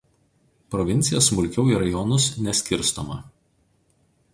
Provincija smulkiau į rajonus neskirstoma.